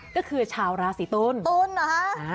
ก็คือชาวราศีตุ้นตุ้นหรอ